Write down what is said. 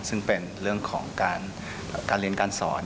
ซึ่งเป็นเรื่องของการเรียนการสอน